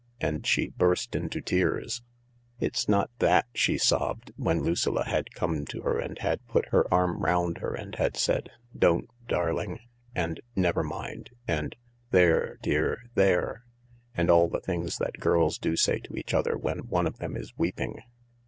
And she burst into tears. " It's not that," she sobbed, when Lucilla had come to her and had put her arm round her and had said, " Don't, darling," and "Never mind," and "There, dear, there," and all the things that girls do say to each other when one of them is weeping.